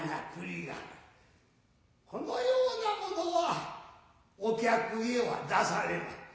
このようなものはお客へは出されまい。